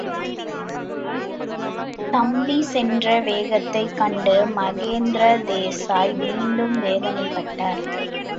தம்பி சென்ற வேகத்தைக் கண்டு மகேந்திர தேசாய் மீண்டும் வேதனைப்பட்டார்.